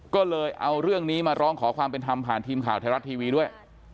ก็เลยเอาเรื่องนี้มาร้องขอความเป็นธรรมผ่านทีมข่าวไทยรัฐทีวีด้วย